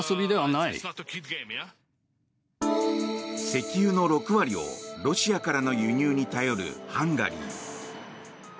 石油の６割をロシアからの輸入に頼るハンガリー。